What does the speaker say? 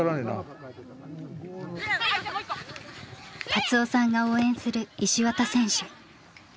達夫さんが応援する石渡選手。